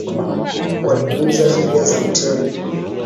Walipuuza sheria za hoteli